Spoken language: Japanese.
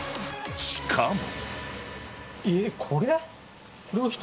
しかも。